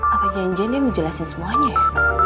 apa jangan jangan dia mau jelasin semuanya ya